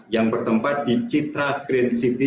yang bertempat di citra green city